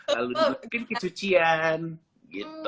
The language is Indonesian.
lalu dibukain kecucian gitu